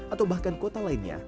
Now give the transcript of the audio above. atau bahkan kota lainnya